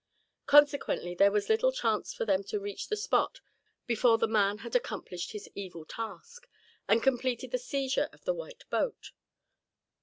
Consequently there was little chance for them to reach the spot before the man had accomplished his evil task, and completed the seizure of the white boat.